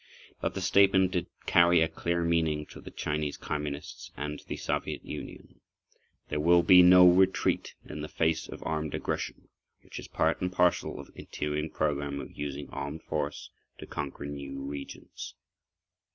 But the statement did carry a clear meaning to the Chinese Communists and to the Soviet Union. There will be no retreat in the face of armed aggression, which is part and parcel of a continuing program of using armed force to conquer new regions.